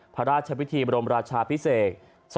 พระราชพิธีบรมราชาพิเศษ